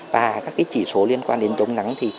và các chỉ số liên quan đến chống nắng